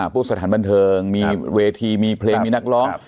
พวกสถานบันเทิงมีเวทีมีเพลงมีนักร้อง